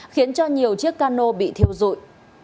khiến cho nhiều chiếc cano bị thiêu rụi